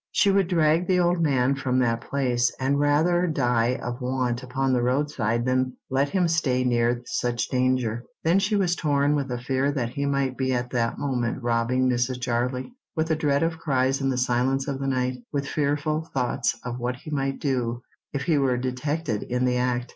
She would drag the old man from that place, and rather die of want upon the roadside than let him stay near such danger. Then she was torn with a fear that he might be at that moment robbing Mrs. Jarley; with a dread of cries in the silence of the night; with fearful thoughts of what he might do if he were detected in the act.